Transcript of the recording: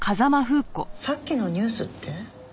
さっきのニュースって？